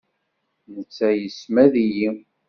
Netta yessmad-iyi.